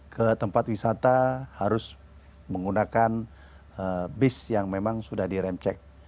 ke tempat wisata harus menggunakan bis yang memang sudah direm cek